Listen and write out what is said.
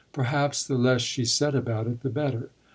Perhaps the less she said about it the better.